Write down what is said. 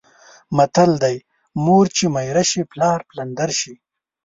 متل دی: مور چې میره شي پلار پلندر شي.